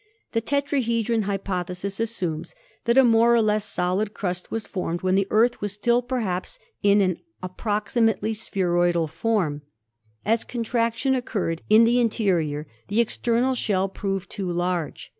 The tetrahedron hypothesis assumes that a more or less solid crust was formed when the Earth was still perhaps in an approximately spheroidal form. As contraction oc curred in the interior the external shell proved too large.